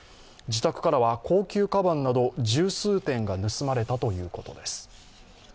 自宅からは高級かばんなど十数点が盗まれたということです。